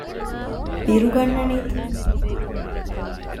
ބިރު ގަންނަނީތަ؟